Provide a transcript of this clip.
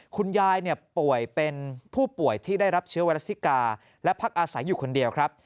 คุณยายป่วยเป็นผู้ป่วยที่ได้รับเชื้อไวรัสซิกาและพักอาศัยอยู่คนเดียวครับ